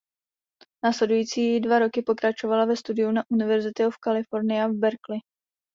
Následující dva roky pokračovala ve studiu na Univerzity of California v Berkeley.